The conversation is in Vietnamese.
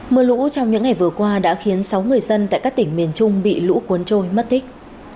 mưa lũ trong những ngày vừa qua đã khiến sáu người dân tại các tỉnh miền trung bị lũ cuốn trôi mất tích